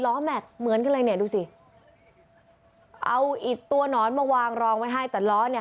แม็กซ์เหมือนกันเลยเนี่ยดูสิเอาอิดตัวหนอนมาวางรองไว้ให้แต่ล้อเนี่ย